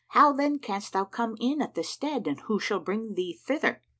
How then canst thou come at this stead and who shall bring thee thither?